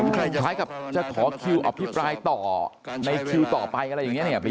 คล้ายกับจะขอคิวอภิปรายต่อในคิวต่อไปอะไรอย่างนี้เนี่ย